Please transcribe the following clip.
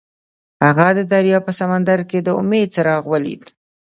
هغه د دریاب په سمندر کې د امید څراغ ولید.